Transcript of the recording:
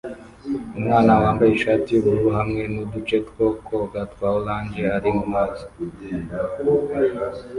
Umwana wambaye ishati yubururu hamwe nuduce two koga twa orange ari mumazi